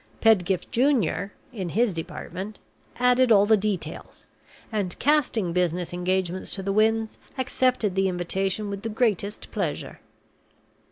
Pedgift Junior (in his department) added all the details; and, casting business engagements to the winds, accepted the invitation with the greatest pleasure.